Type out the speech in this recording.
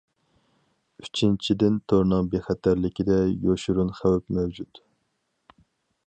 ئۈچىنچىدىن، تورنىڭ بىخەتەرلىكىدە يوشۇرۇن خەۋپ مەۋجۇت.